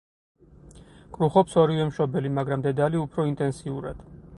კრუხობს ორივე მშობელი, მაგრამ დედალი უფრო ინტენსიურად.